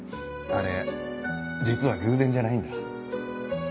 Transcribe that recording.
あれ実は偶然じゃないんだ。